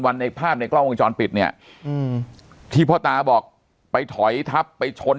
ในภาพในกล้องวงจรปิดเนี่ยที่พ่อตาบอกไปถอยทับไปชน